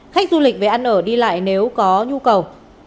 khách du lịch về ăn ở đi lại nếu có nhu cầu